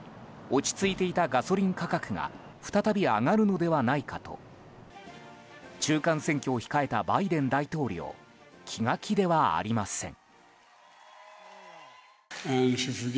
落ち着いていたガソリン価格が再び上がるのではないかと中間選挙を控えたバイデン大統領気が気ではありません。